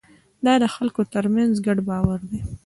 دا د خلکو ترمنځ ګډ باور دی.